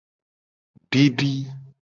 Didi.